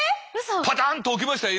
パタンと置きましたよ